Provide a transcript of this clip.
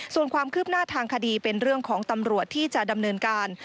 ส่วนความคืบหน้าทางคดีเป็นเรื่องของตำรวจที่จะดำเนินการ